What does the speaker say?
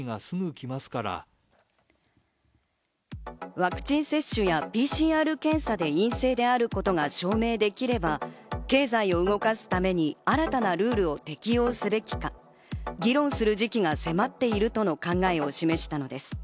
ワクチン接種やＰＣＲ検査で陰性であることが証明できれば経済を動かすために新たなルールを適用すべきか、議論する時期が迫っているとの考えを示したのです。